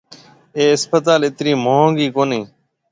اَي اسپتال اَترِي مھانگِي ڪوني